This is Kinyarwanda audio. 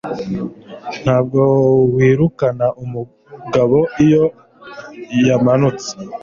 Ntabwo wirukana umugabo iyo yamanutse